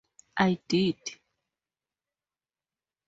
I did.